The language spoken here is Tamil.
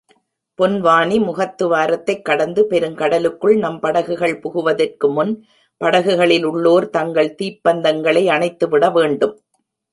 பொன்வானி முகத்துவாரத்தைக் கடந்து பெருங்கடலுக்குள் நம் படகுகள் புகுவதற்கு முன் படகுகளில் உள்ளோர் தங்கள் தீப்பந்தங்களை அணைத்துவிடவேண்டும்.